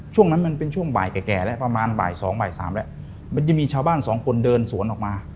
ช่วงนั้นมันเป็นช่วงบ่ายแก่แล้วประมาณบ่ายสองบ่ายสามแล้วมันจะมีชาวบ้านสองคนเดินสวนออกมา